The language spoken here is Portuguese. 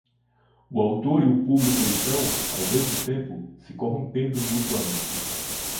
O autor e o público estão, ao mesmo tempo, se corrompendo mutuamente.